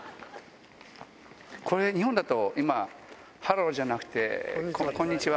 これ、日本だと今、ハローじゃなくてこんにちは？